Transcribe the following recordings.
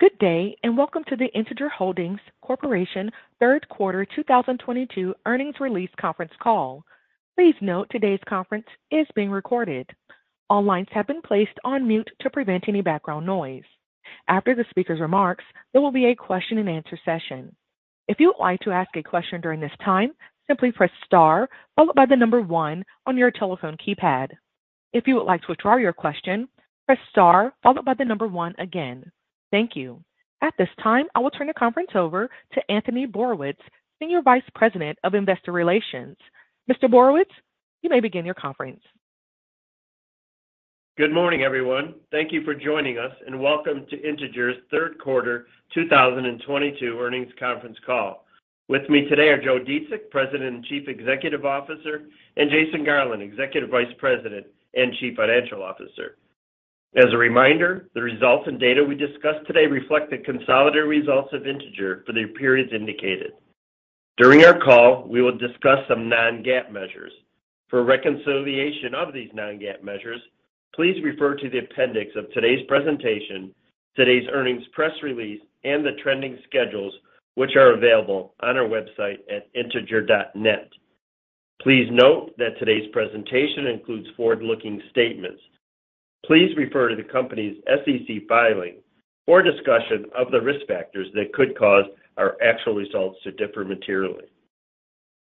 Good day, and welcome to the Integer Holdings Corporation third quarter 2022 earnings release conference call. Please note today's conference is being recorded. All lines have been placed on mute to prevent any background noise. After the speaker's remarks, there will be a question-and-answer session. If you would like to ask a question during this time, simply press star followed by the number one on your telephone keypad. If you would like to withdraw your question, press star followed by the number one again. Thank you. At this time, I will turn the conference over to Tony Borowicz, Senior Vice President of Investor Relations. Mr. Borowicz, you may begin your conference. Good morning, everyone. Thank you for joining us, and welcome to Integer's third quarter 2022 earnings conference call. With me today are Joe Dziedzic, President and Chief Executive Officer, and Jason Garland, Executive Vice President and Chief Financial Officer. As a reminder, the results and data we discuss today reflect the consolidated results of Integer for the periods indicated. During our call, we will discuss some Non-GAAP measures. For a reconciliation of these Non-GAAP measures, please refer to the appendix of today's presentation, today's earnings press release, and the trending schedules which are available on our website at integer.net. Please note that today's presentation includes forward-looking statements. Please refer to the company's SEC filing for a discussion of the risk factors that could cause our actual results to differ materially.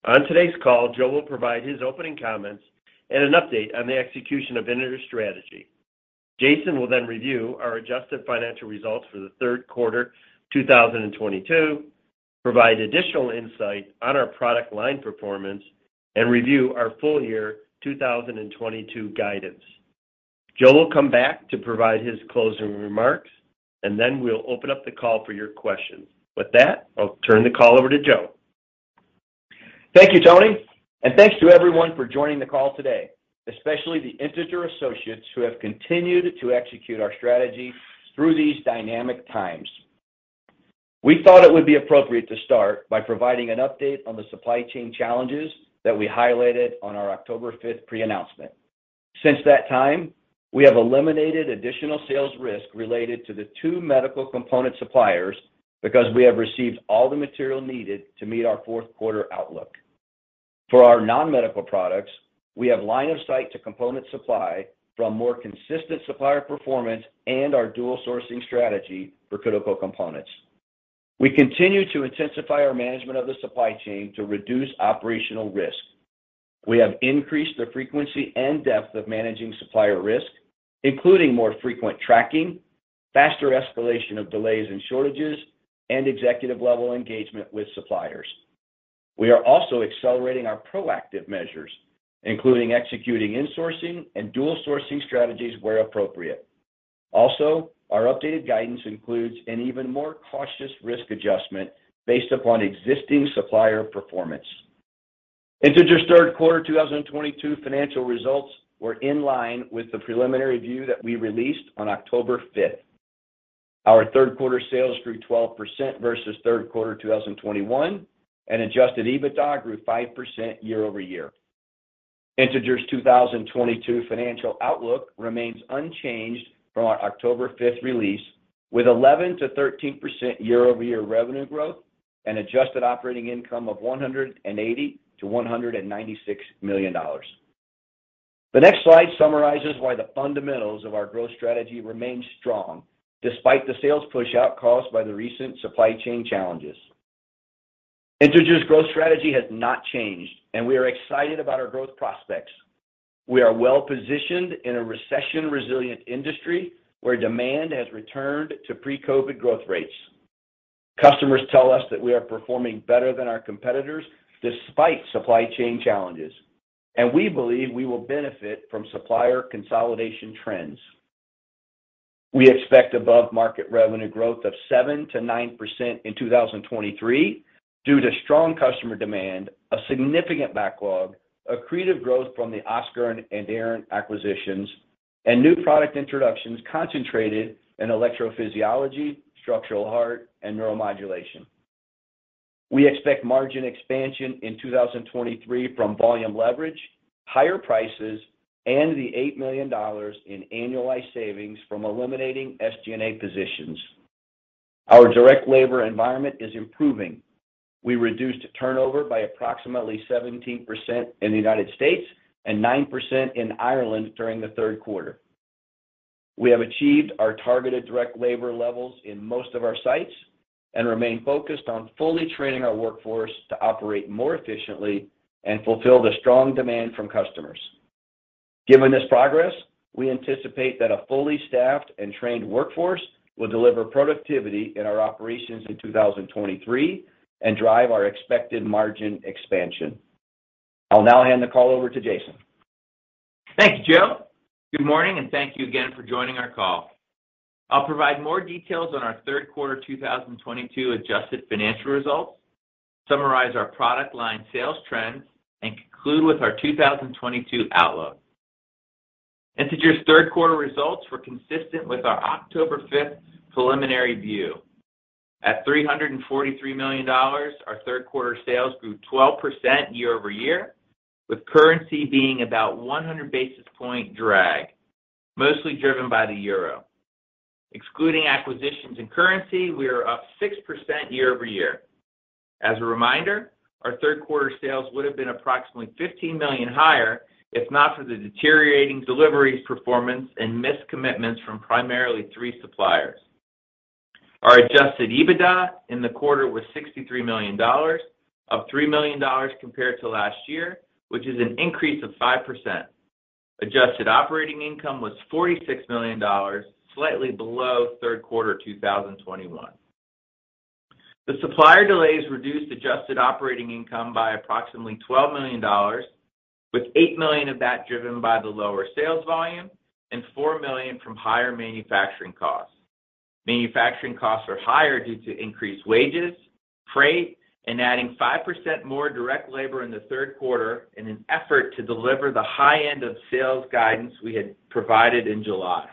On today's call, Joe will provide his opening comments and an update on the execution of Integer's strategy. Jason will then review our adjusted financial results for the third quarter 2022, provide additional insight on our product line performance, and review our full year 2022 guidance. Joe will come back to provide his closing remarks, and then we'll open up the call for your questions. With that, I'll turn the call over to Joe. Thank you, Tony, and thanks to everyone for joining the call today, especially the Integer associates who have continued to execute our strategy through these dynamic times. We thought it would be appropriate to start by providing an update on the supply chain challenges that we highlighted on our October fifth pre-announcement. Since that time, we have eliminated additional sales risk related to the two medical component suppliers because we have received all the material needed to meet our fourth quarter outlook. For our non-medical products, we have line of sight to component supply from more consistent supplier performance and our dual sourcing strategy for critical components. We continue to intensify our management of the supply chain to reduce operational risk. We have increased the frequency and depth of managing supplier risk, including more frequent tracking, faster escalation of delays and shortages, and executive-level engagement with suppliers. We are also accelerating our proactive measures, including executing insourcing and dual sourcing strategies where appropriate. Also, our updated guidance includes an even more cautious risk adjustment based upon existing supplier performance. Integer's third quarter 2022 financial results were in line with the preliminary view that we released on October five. Our third quarter sales grew 12% versus third quarter 2021, and adjusted EBITDA grew 5% year-over-year. Integer's 2022 financial outlook remains unchanged from our October five release, with 11%-13% year-over-year revenue growth and adjusted operating income of $180 million-$196 million. The next slide summarizes why the fundamentals of our growth strategy remain strong despite the sales push out caused by the recent supply chain challenges. Integer's growth strategy has not changed, and we are excited about our growth prospects. We are well-positioned in a recession-resilient industry where demand has returned to pre-COVID growth rates. Customers tell us that we are performing better than our competitors despite supply chain challenges, and we believe we will benefit from supplier consolidation trends. We expect above-market revenue growth of 7%-9% in 2023 due to strong customer demand, a significant backlog, accretive growth from the Oscor and Aran acquisitions, and new product introductions concentrated in electrophysiology, structural heart, and neuromodulation. We expect margin expansion in 2023 from volume leverage, higher prices, and the $8 million in annualized savings from eliminating SG&A positions. Our direct labor environment is improving. We reduced turnover by approximately 17% in the United States and 9% in Ireland during the third quarter. We have achieved our targeted direct labor levels in most of our sites and remain focused on fully training our workforce to operate more efficiently and fulfill the strong demand from customers. Given this progress, we anticipate that a fully staffed and trained workforce will deliver productivity in our operations in 2023 and drive our expected margin expansion. I'll now hand the call over to Jason. Thanks, Joe. Good morning, and thank you again for joining our call. I'll provide more details on our third quarter 2022 adjusted financial results, summarize our product line sales trends, and conclude with our 2022 outlook. Integer's third quarter results were consistent with our October five preliminary view. At $343 million, our third quarter sales grew 12% year-over-year, with currency being about 100 basis points drag, mostly driven by the euro. Excluding acquisitions and currency, we are up 6% year-over-year. As a reminder, our third quarter sales would have been approximately $15 million higher if not for the deteriorating deliveries performance and missed commitments from primarily three suppliers. Our adjusted EBITDA in the quarter was $63 million, up $3 million compared to last year, which is an increase of 5%. Adjusted operating income was $46 million, slightly below third quarter 2021. The supplier delays reduced adjusted operating income by approximately $12 million, with $8 million of that driven by the lower sales volume and $4 million from higher manufacturing costs. Manufacturing costs are higher due to increased wages, freight, and adding 5% more direct labor in the third quarter in an effort to deliver the high end of sales guidance we had provided in July.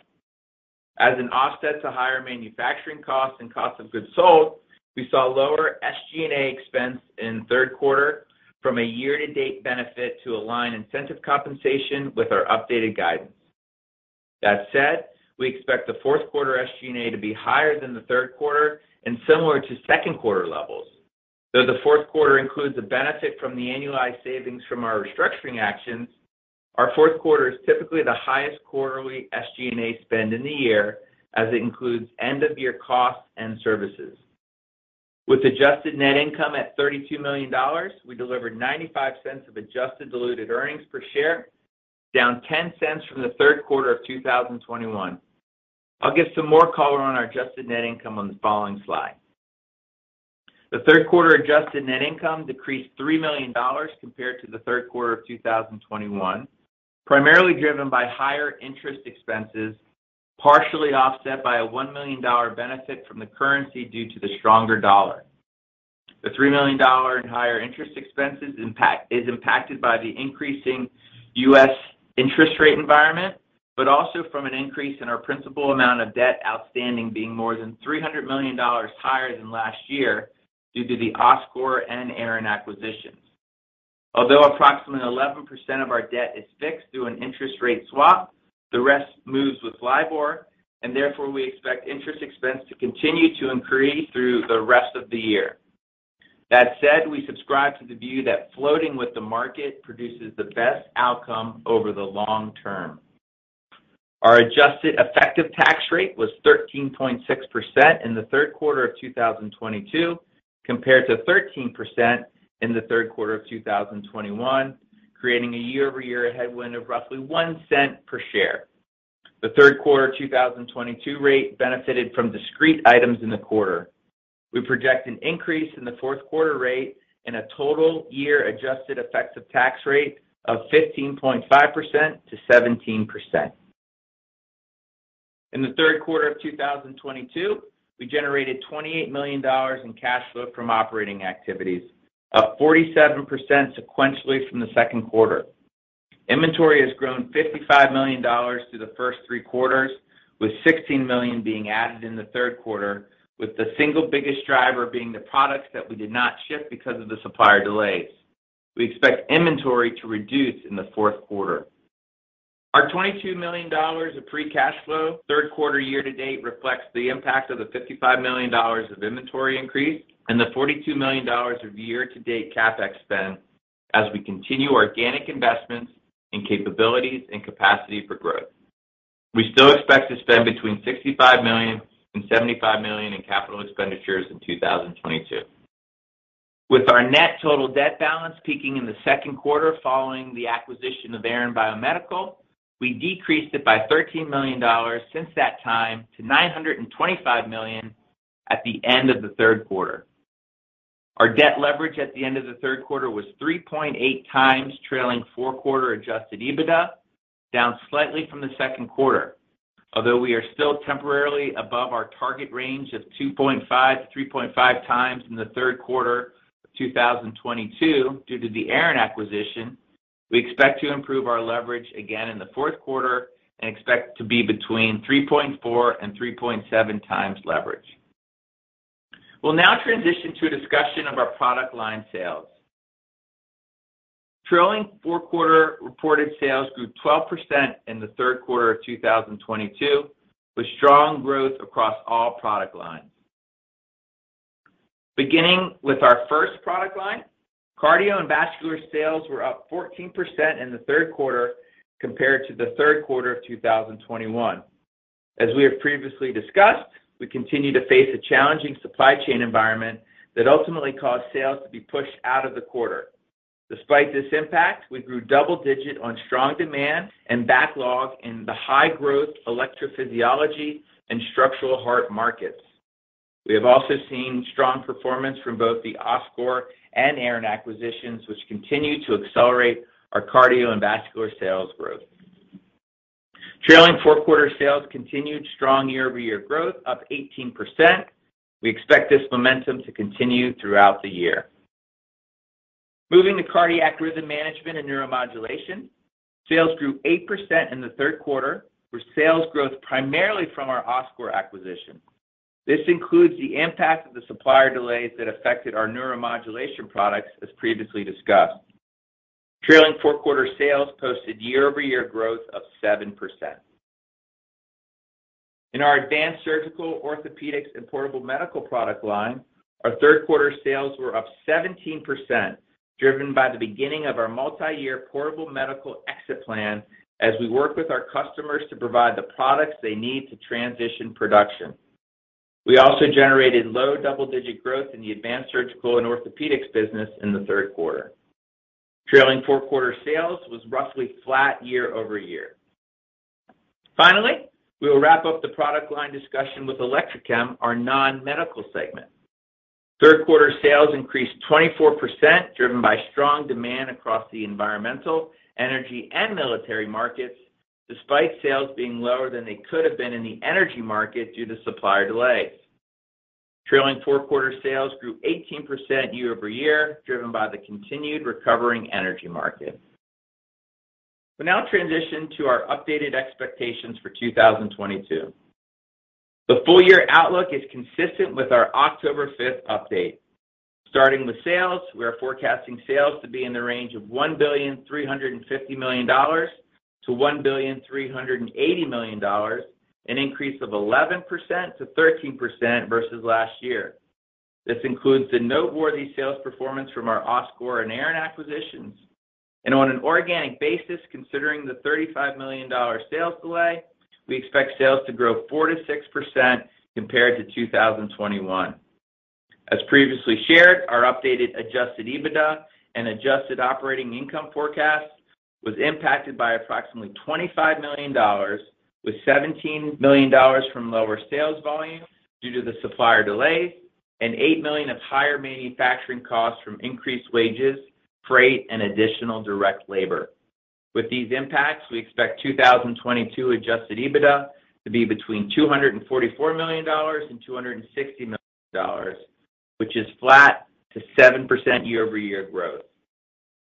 As an offset to higher manufacturing costs and cost of goods sold, we saw lower SG&A expense in the third quarter from a year-to-date benefit to align incentive compensation with our updated guidance. That said, we expect the fourth quarter SG&A to be higher than the third quarter and similar to second quarter levels. Though the fourth quarter includes a benefit from the annualized savings from our restructuring actions, our fourth quarter is typically the highest quarterly SG&A spend in the year as it includes end-of-year costs and services. With adjusted net income at $32 million, we delivered $0.95 of adjusted diluted earnings per share, down $0.10 from the third quarter of 2021. I'll give some more color on our adjusted net income on the following slide. The third quarter adjusted net income decreased $3 million compared to the third quarter of 2021, primarily driven by higher interest expenses, partially offset by a $1 million benefit from the currency due to the stronger dollar. The $3 million in higher interest expenses is impacted by the increasing U.S. interest rate environment, but also from an increase in our principal amount of debt outstanding being more than $300 million higher than last year due to the Oscor and Aran acquisitions. Although approximately 11% of our debt is fixed through an interest rate swap, the rest moves with LIBOR, and therefore, we expect interest expense to continue to increase through the rest of the year. That said, we subscribe to the view that floating with the market produces the best outcome over the long term. Our adjusted effective tax rate was 13.6% in the third quarter of 2022, compared to 13% in the third quarter of 2021, creating a year-over-year headwind of roughly $0.01 per share. The third quarter 2022 rate benefited from discrete items in the quarter. We project an increase in the fourth quarter rate and a total year adjusted effective tax rate of 15.5%-17%. In the third quarter of 2022, we generated $28 million in cash flow from operating activities, up 47% sequentially from the second quarter. Inventory has grown $55 million through the first three quarters, with $16 million being added in the third quarter, with the single biggest driver being the products that we did not ship because of the supplier delays. We expect inventory to reduce in the fourth quarter. Our $22 million of free cash flow, third quarter year-to-date reflects the impact of the $55 million of inventory increase and the $42 million of year-to-date CapEx spend as we continue organic investments in capabilities and capacity for growth. We still expect to spend between $65 million and $75 million in capital expenditures in 2022. With our net total debt balance peaking in the second quarter following the acquisition of Aran Biomedical, we decreased it by $13 million since that time to $925 million at the end of the third quarter. Our debt leverage at the end of the third quarter was 3.8x trailing four-quarter adjusted EBITDA, down slightly from the second quarter. Although we are still temporarily above our target range of 2.5-3.5x in the third quarter of 2022 due to the Aran acquisition, we expect to improve our leverage again in the fourth quarter and expect to be between 3.4 and 3.7x leverage. We'll now transition to a discussion of our product line sales. Trailing four-quarter reported sales grew 12% in the third quarter of 2022, with strong growth across all product lines. Beginning with our first product line, Cardio & Vascular sales were up 14% in the third quarter compared to the third quarter of 2021. As we have previously discussed, we continue to face a challenging supply chain environment that ultimately caused sales to be pushed out of the quarter. Despite this impact, we grew double digit on strong demand and backlog in the high-growth electrophysiology and structural heart markets. We have also seen strong performance from both the Oscor and Aran acquisitions, which continue to accelerate our Cardio & Vascular sales growth. Trailing four-quarter sales continued strong year-over-year growth, up 18%. We expect this momentum to continue throughout the year. Moving to Cardiac Rhythm Management & Neuromodulation, sales grew 8% in the third quarter, with sales growth primarily from our Oscor acquisition. This includes the impact of the supplier delays that affected our neuromodulation products, as previously discussed. Trailing fourth quarter sales posted year-over-year growth of 7%. In our Advanced Surgical, Orthopedics, and Portable Medical product line, our third quarter sales were up 17%, driven by the beginning of our multi-year portable medical exit plan as we work with our customers to provide the products they need to transition production. We also generated low double-digit growth in the Advanced Surgical and Orthopedics business in the third quarter. Trailing fourth quarter sales was roughly flat year-over-year. Finally, we will wrap up the product line discussion with Electrochem, our non-medical segment. Third quarter sales increased 24%, driven by strong demand across the environmental, energy, and military markets, despite sales being lower than they could have been in the energy market due to supplier delays. Trailing fourth quarter sales grew 18% year-over-year, driven by the continued recovering energy market. We'll now transition to our updated expectations for 2022. The full year outlook is consistent with our October fifth update. Starting with sales, we are forecasting sales to be in the range of $1.35 billion-$1.38 billion, an increase of 11%-13% versus last year. This includes the noteworthy sales performance from our Oscor and Aran acquisitions. On an organic basis, considering the $35 million sales delay, we expect sales to grow 4%-6% compared to 2021. As previously shared, our updated adjusted EBITDA and adjusted operating income forecast was impacted by approximately $25 million, with $17 million from lower sales volume due to the supplier delays and $8 million of higher manufacturing costs from increased wages, freight, and additional direct labor. With these impacts, we expect 2022 adjusted EBITDA to be between $244 million-$260 million, which is flat to 7% year-over-year growth.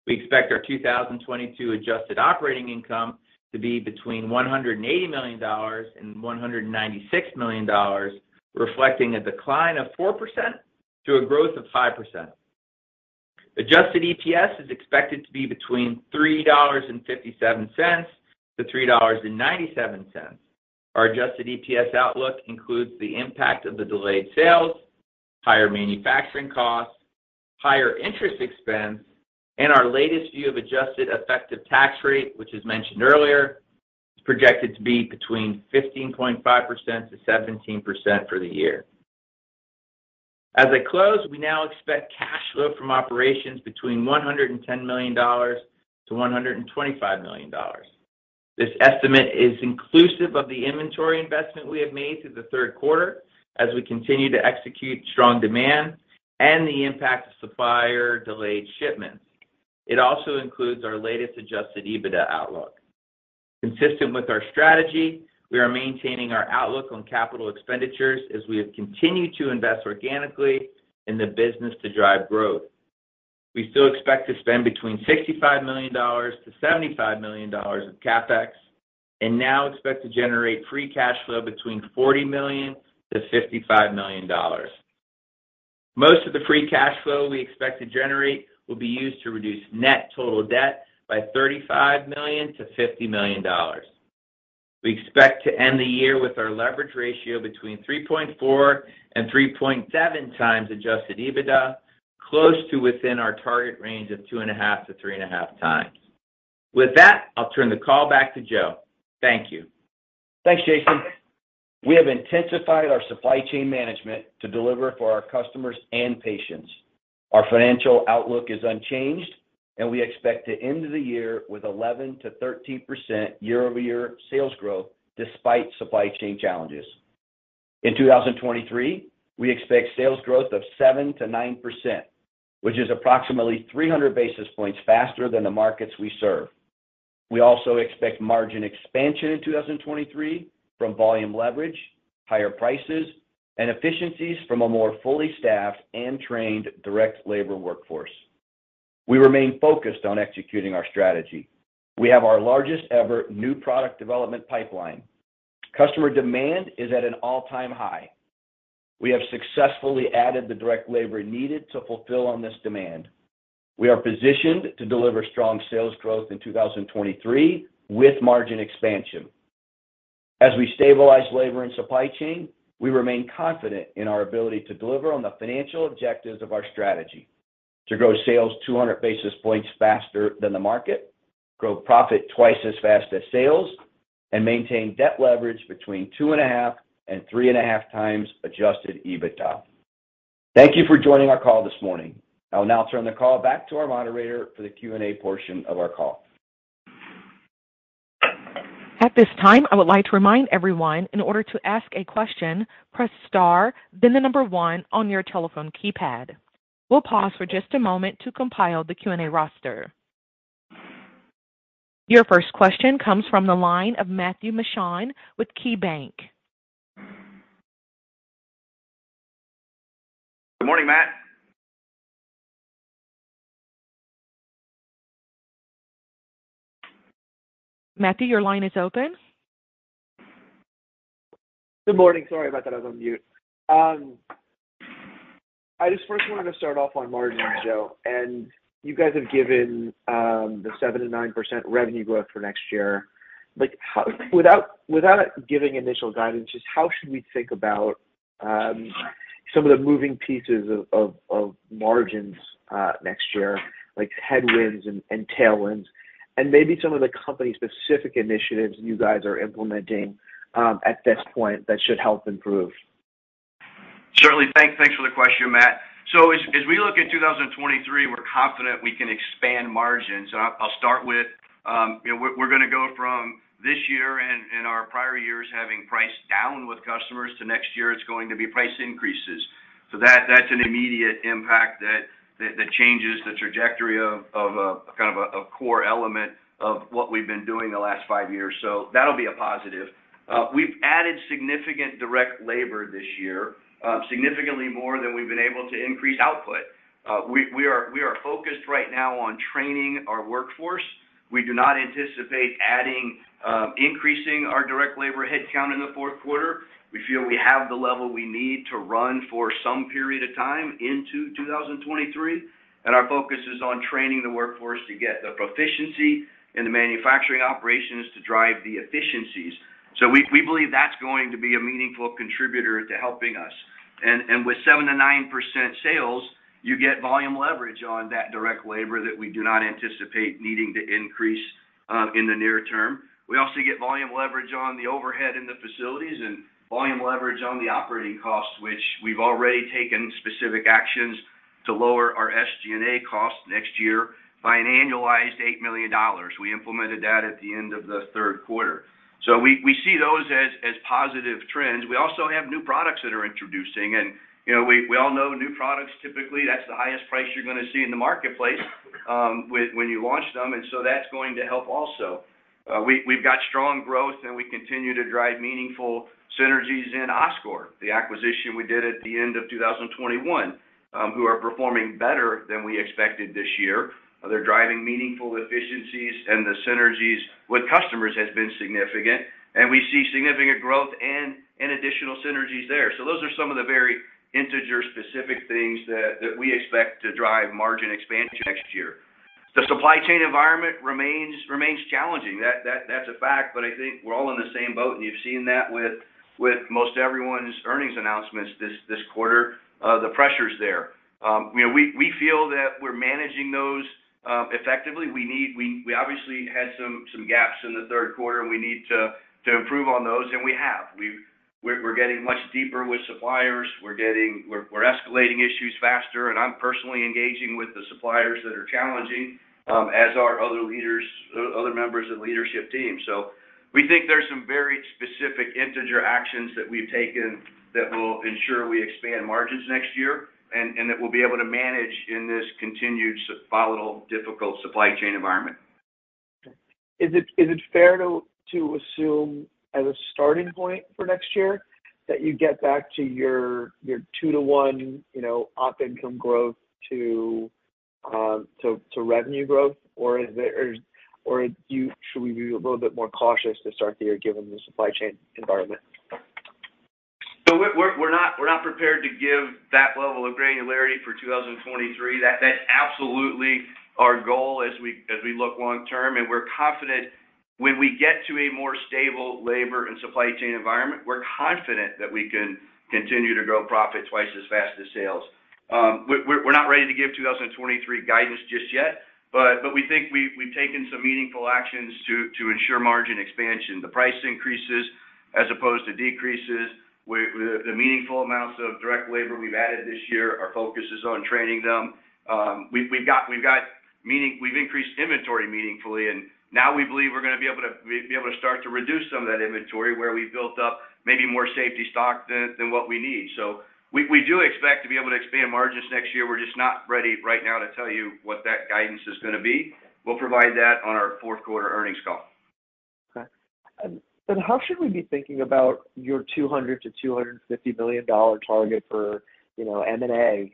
We expect our 2022 adjusted operating income to be between $180 million-$196 million, reflecting a decline of 4% to a growth of 5%. Adjusted EPS is expected to be between $3.57-$3.97. Our adjusted EPS outlook includes the impact of the delayed sales, higher manufacturing costs, higher interest expense, and our latest view of adjusted effective tax rate, which, as mentioned earlier, is projected to be between 15.5%-17% for the year. We now expect cash flow from operations between $110 million-$125 million. This estimate is inclusive of the inventory investment we have made through the third quarter as we continue to execute strong demand and the impact of supplier delayed shipments. It also includes our latest adjusted EBITDA outlook. Consistent with our strategy, we are maintaining our outlook on capital expenditures as we have continued to invest organically in the business to drive growth. We still expect to spend between $65 million-$75 million of CapEx and now expect to generate free cash flow between $40 million-$55 million. Most of the free cash flow we expect to generate will be used to reduce net total debt by $35 million-$50 million. We expect to end the year with our leverage ratio between 3.4 and 3.7x adjusted EBITDA, close to within our target range of 2.5-3.5x. With that, I'll turn the call back to Joe. Thank you. Thanks, Jason. We have intensified our supply chain management to deliver for our customers and patients. Our financial outlook is unchanged, and we expect to end the year with 11%-13% year-over-year sales growth despite supply chain challenges. In 2023, we expect sales growth of 7%-9%, which is approximately 300 basis points faster than the markets we serve. We also expect margin expansion in 2023 from volume leverage, higher prices, and efficiencies from a more fully staffed and trained direct labor workforce. We remain focused on executing our strategy. We have our largest ever new product development pipeline. Customer demand is at an all-time high. We have successfully added the direct labor needed to fulfill on this demand. We are positioned to deliver strong sales growth in 2023 with margin expansion. As we stabilize labor and supply chain, we remain confident in our ability to deliver on the financial objectives of our strategy to grow sales 200 basis points faster than the market, grow profit twice as fast as sales, and maintain debt leverage between 2.5 and 3.5x adjusted EBITDA. Thank you for joining our call this morning. I will now turn the call back to our moderator for the Q&A portion of our call. At this time, I would like to remind everyone in order to ask a question, press star then the number one on your telephone keypad. We'll pause for just a moment to compile the Q&A roster. Your first question comes from the line of Matthew Mishan with KeyBanc. Good morning, Matt. Matthew, your line is open. Good morning. Sorry about that. I was on mute. I just first wanted to start off on margins, Joe. You guys have given the 7%-9% revenue growth for next year. Without giving initial guidance, just how should we think about some of the moving pieces of margins next year, like headwinds and tailwinds, and maybe some of the company's specific initiatives you guys are implementing at this point that should help improve? Certainly. Thanks for the question, Matthew. As we look at 2023, we're confident we can expand margins. I will start with, you know, we're gonna go from this year and our prior years having priced down with customers to next year, it's going to be price increases. That's an immediate impact that changes the trajectory of a kind of a core element of what we've been doing the last five years. That'll be a positive. We've added significant direct labor this year, significantly more than we've been able to increase output. We are focused right now on training our workforce. We do not anticipate increasing our direct labor headcount in the fourth quarter. We feel we have the level we need to run for some period of time into 2023, and our focus is on training the workforce to get the proficiency in the manufacturing operations to drive the efficiencies. We believe that's going to be a meaningful contributor to helping us. With 7%-9% sales, you get volume leverage on that direct labor that we do not anticipate needing to increase in the near term. We also get volume leverage on the overhead in the facilities and volume leverage on the operating costs, which we've already taken specific actions to lower our SG&A costs next year by an annualized $8 million. We implemented that at the end of the third quarter. We see those as positive trends. We also have new products that are introducing and, you know, we all know new products, typically, that's the highest price you're gonna see in the marketplace, when you launch them. That's going to help also. We've got strong growth, and we continue to drive meaningful synergies in Oscor, the acquisition we did at the end of 2021, who are performing better than we expected this year. They're driving meaningful efficiencies, and the synergies with customers has been significant. We see significant growth and additional synergies there. Those are some of the very Integer-specific things that we expect to drive margin expansion next year. The supply chain environment remains challenging. That's a fact, but I think we're all in the same boat, and you've seen that with most everyone's earnings announcements this quarter, the pressures there. You know, we feel that we're managing those effectively. We obviously had some gaps in the third quarter and we need to improve on those, and we have. We're getting much deeper with suppliers. We're escalating issues faster, and I'm personally engaging with the suppliers that are challenging, as are other leaders, other members of leadership team. We think there's some very specific Integer actions that we've taken that will ensure we expand margins next year and that we'll be able to manage in this continued volatile, difficult supply chain environment. Is it fair to assume as a starting point for next year that you get back to your two to one, you know, op income growth to revenue growth? Or should we be a little bit more cautious to start the year given the supply chain environment? We're not prepared to give that level of granularity for 2023. That's absolutely our goal as we look long term. We're confident when we get to a more stable labor and supply chain environment, we're confident that we can continue to grow profit twice as fast as sales. We're not ready to give 2023 guidance just yet, but we think we've taken some meaningful actions to ensure margin expansion. The price increases as opposed to decreases with the meaningful amounts of direct labor we've added this year. Our focus is on training them. We've increased inventory meaningfully, and now we believe we're gonna be able to start to reduce some of that inventory where we've built up maybe more safety stock than what we need. We do expect to be able to expand margins next year. We're just not ready right now to tell you what that guidance is gonna be. We'll provide that on our fourth quarter earnings call. Okay. How should we be thinking about your $200 million-$250 million target for, you know, M&A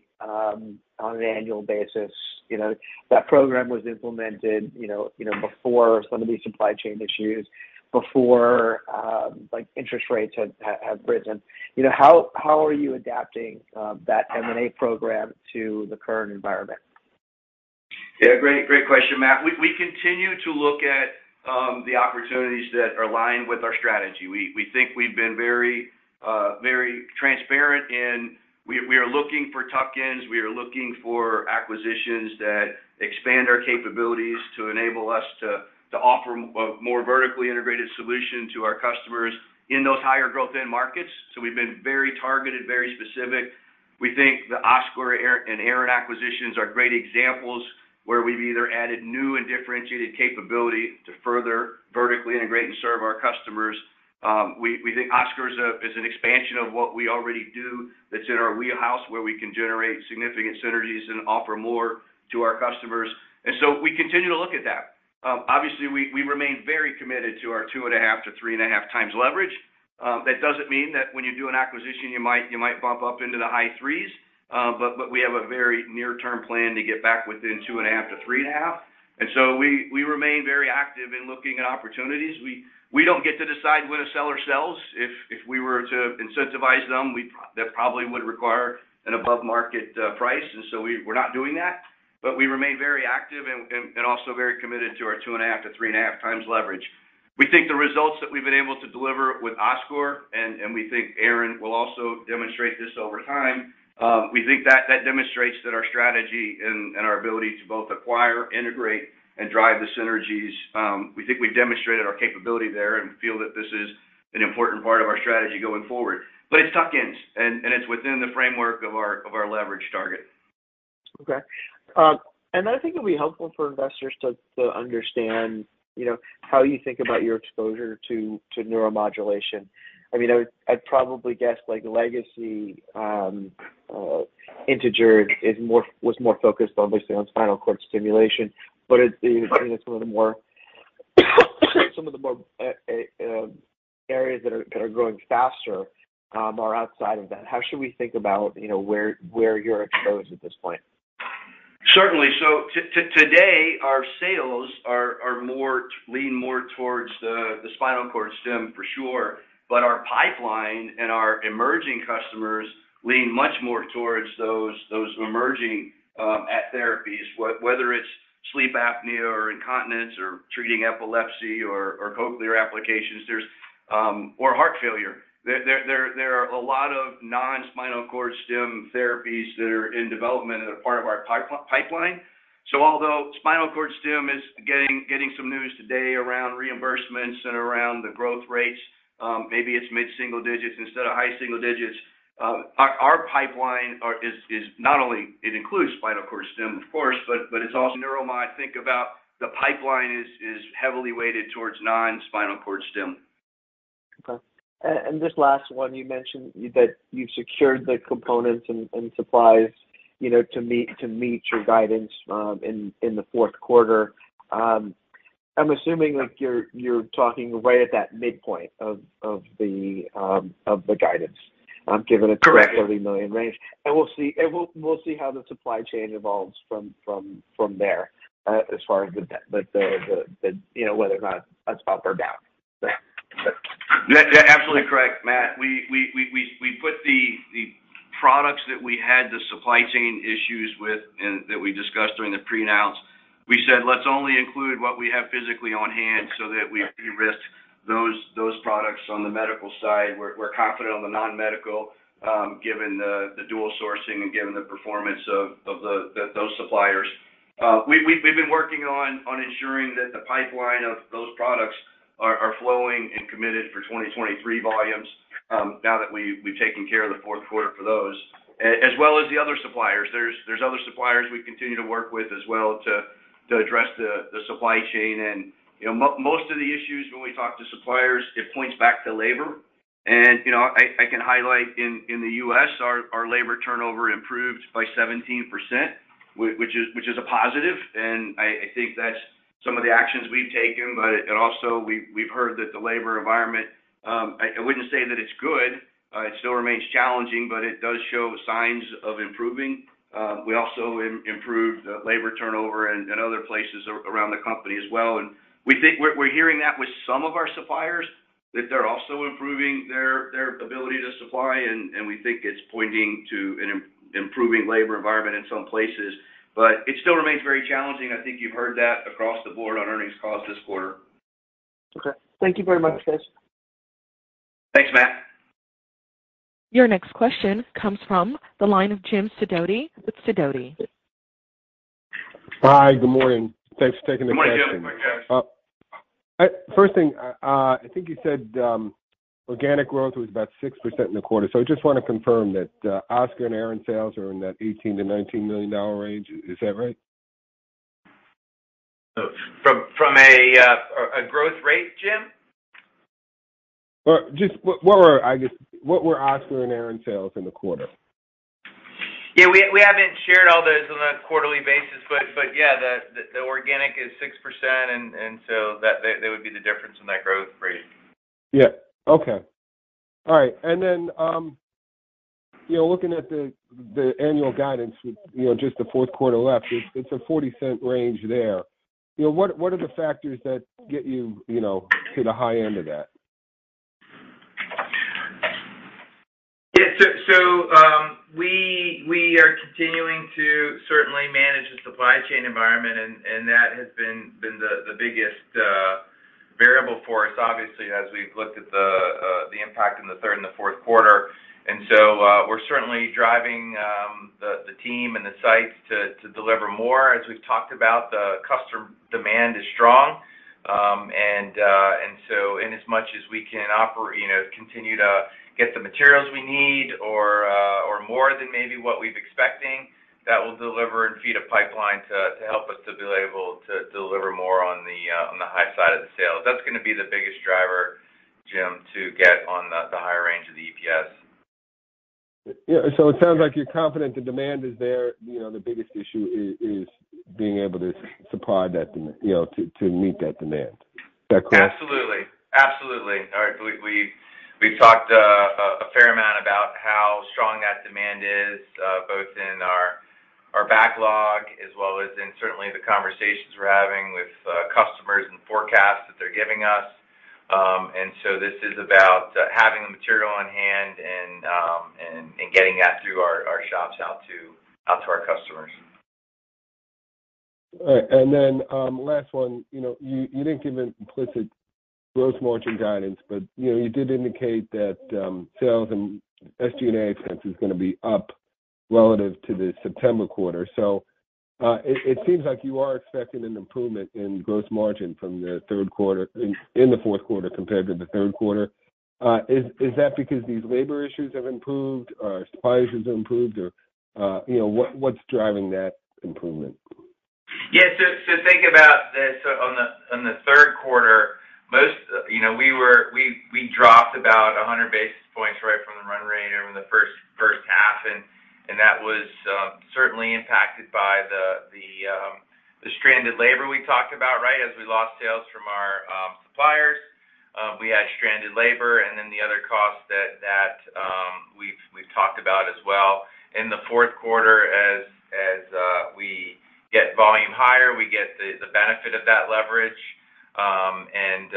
on an annual basis? You know, that program was implemented, you know, before some of these supply chain issues, before, like, interest rates have risen. You know, how are you adapting that M&A program to the current environment? Yeah. Great question, Matt. We continue to look at the opportunities that align with our strategy. We think we've been very transparent, and we are looking for tuck-ins. We are looking for acquisitions that expand our capabilities to enable us to offer a more vertically integrated solution to our customers in those higher growth end markets. We've been very targeted, very specific. We think the Oscor and Aran acquisitions are great examples where we've either added new and differentiated capability to further vertically integrate and serve our customers. We think Oscor is an expansion of what we already do that's in our wheelhouse, where we can generate significant synergies and offer more to our customers. We continue to look at that. Obviously, we remain very committed to our 2.5-3.5x leverage. That doesn't mean that when you do an acquisition, you might bump up into the high 3s. But we have a very near-term plan to get back within 2.5-3.5. We remain very active in looking at opportunities. We don't get to decide when a seller sells. If we were to incentivize them, that probably would require an above-market price. We're not doing that, but we remain very active and also very committed to our 2.5-3.5x leverage. We think the results that we've been able to deliver with Oscor, and we think Aran will also demonstrate this over time. We think that demonstrates that our strategy and our ability to both acquire, integrate, and drive the synergies. We think we've demonstrated our capability there and feel that this is an important part of our strategy going forward. It's tuck-ins and it's within the framework of our leverage target. Okay. I think it'd be helpful for investors to understand, you know, how you think about your exposure to neuromodulation. I mean, I'd probably guess like legacy Integer is more, was more focused obviously on spinal cord stimulation. It's, you know, some of the more areas that are growing faster are outside of that. How should we think about, you know, where you're exposed at this point? Certainly. Today, our sales lean more towards the spinal cord stimulation, for sure. Our pipeline and our emerging customers lean much more towards those emerging therapies, whether it's sleep apnea or incontinence or treating epilepsy or cochlear applications or heart failure. There are a lot of non-spinal cord stimulation therapies that are in development that are part of our pipeline. Although spinal cord stimulation is getting some news today around reimbursements and around the growth rates, maybe it's mid-single digits instead of high single digits. Our pipeline is not only it includes spinal cord stimulation, of course, but it's also neuromodulation. Think about the pipeline is heavily weighted towards non-spinal cord stimulation. Okay. This last one, you mentioned that you've secured the components and supplies, you know, to meet your guidance in the fourth quarter. I'm assuming like you're talking right at that midpoint of the guidance, given it- Correct. Million range. We'll see how the supply chain evolves from there, as far as the, you know, whether or not that's up or down. That's absolutely correct, Matt. We put the products that we had the supply chain issues with and that we discussed during the pre-announce. We said, "Let's only include what we have physically on hand so that we de-risk those products on the medical side." We're confident on the non-medical, given the dual sourcing and given the performance of those suppliers. We've been working on ensuring that the pipeline of those products are flowing and committed for 2023 volumes, now that we've taken care of the fourth quarter for those, as well as the other suppliers. There's other suppliers we continue to work with as well to address the supply chain. You know, most of the issues when we talk to suppliers, it points back to labor. You know, I can highlight in the U.S, our labor turnover improved by 17%, which is a positive, and I think that's some of the actions we've taken. We've heard that the labor environment, I wouldn't say that it's good, it still remains challenging, but it does show signs of improving. We also improved the labor turnover in other places around the company as well. We think we're hearing that with some of our suppliers, that they're also improving their ability to supply, and we think it's pointing to an improving labor environment in some places. It still remains very challenging. I think you've heard that across the board on earnings calls this quarter. Okay. Thank you very much, Chris. Thanks, Matt. Your next question comes from the line of James Sidoti with Sidoti. Hi. Good morning. Thanks for taking the question. Good morning, Jim. First thing, I think you said, organic growth was about 6% in the quarter. I just want to confirm that, Oscor and Aran sales are in that $18 million-$19 million range. Is that right? From a growth rate, James? I guess, what were Oscor and Aran sales in the quarter? Yeah, we haven't shared all those on a quarterly basis, but yeah, the organic is 6% and so that would be the difference in that growth rate. Yeah. Okay. All right. You know, looking at the annual guidance with just the fourth quarter left, it's a $0.40 range there. You know, what are the factors that get you to the high end of that? Yeah. We are continuing to certainly manage the supply chain environment, and that has been the biggest variable for us, obviously, as we've looked at the impact in the third and the fourth quarter. We're certainly driving the team and the sites to deliver more. As we've talked about, the customer demand is strong. Inasmuch as we can you know continue to get the materials we need or more than maybe what we're expecting, that will deliver and feed a pipeline to help us to be able to deliver more on the high side of the sales. That's gonna be the biggest driver, Jim, to get on the high range. Yeah, it sounds like you're confident the demand is there. You know, the biggest issue is being able to supply that demand, you know, to meet that demand. Is that correct? Absolutely. All right. We've talked a fair amount about how strong that demand is, both in our backlog as well as certainly the conversations we're having with customers and forecasts that they're giving us. This is about having the material on hand and getting that through our shops out to our customers. All right. Last one. You know, you didn't give an implicit gross margin guidance, but you know, you did indicate that sales and SG&A expense is gonna be up relative to the September quarter. It seems like you are expecting an improvement in gross margin in the fourth quarter compared to the third quarter. Is that because these labor issues have improved or suppliers have improved or you know, what's driving that improvement? Yeah. Think about this. On the third quarter, most, you know, we dropped about 100 basis points right from the run rate over in the first half, and that was certainly impacted by the stranded labor we talked about, right? As we lost sales from our suppliers, we had stranded labor and then the other costs that we've talked about as well. In the fourth quarter as we get volume higher, we get the benefit of that leverage, and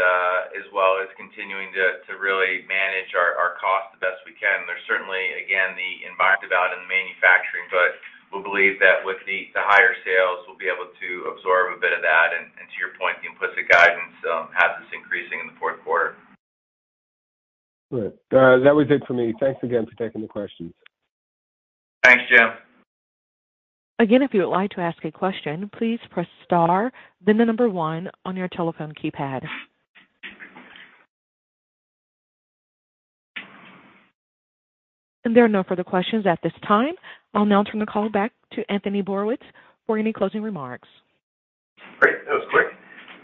as well as continuing to really manage our costs the best we can. There's certainly, again, the environment out in manufacturing, but we believe that with the higher sales, we'll be able to absorb a bit of that. To your point, the implicit guidance has us increasing in the fourth quarter. Good. That was it for me. Thanks again for taking the questions. Thanks, James. Again, if you would like to ask a question, please press star, then the number one on your telephone keypad. There are no further questions at this time. I'll now turn the call back to Tony Borowicz for any closing remarks. Great. That was quick.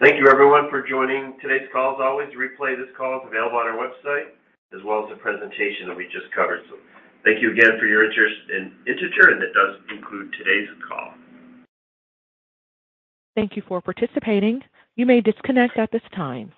Thank you everyone for joining today's call. As always, a replay of this call is available on our website as well as the presentation that we just covered. Thank you again for your interest in Integer, and that does conclude today's call. Thank you for participating. You may disconnect at this time.